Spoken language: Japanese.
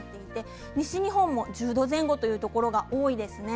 西日本も１０度前後というところが多いですね。